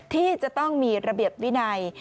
ที่จะต้องมีระเบียบวินัย